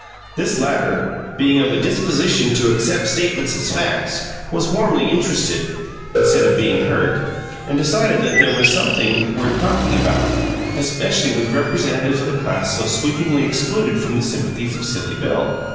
This latter, being of a disposition to accept statements as facts, was warmly interested, instead of being hurt, and decided that here was something worth talking about, especially with representatives of the class so sweepingly excluded from the sympathies of Silly Bill.